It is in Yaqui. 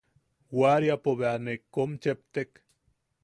Wariapo bea ne kom cheptek.